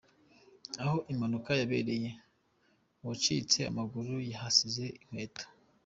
Aho impanuka yabereye, uwacitse amaguru yahasize inkweto.